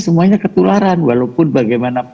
semuanya ketularan walaupun bagaimana